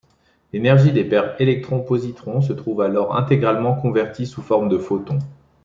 L'énergie des paires électrons-positrons se trouve alors intégralement convertie sous forme de photons.